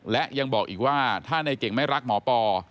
และยังบอกอีกว่าถ้าในเก่งไม่รักหมอปอ